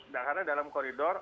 karena dalam koridor